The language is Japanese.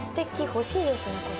欲しいですねこれ。